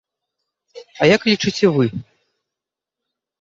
А як лічыце вы?